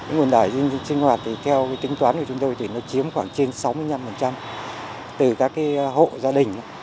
nguồn thải sinh hoạt thì theo tính toán của chúng tôi thì nó chiếm khoảng trên sáu mươi năm từ các hộ gia đình